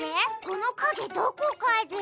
このかげどこかで。